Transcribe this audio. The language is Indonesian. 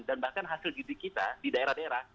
dan bahkan hasil judi kita di daerah daerah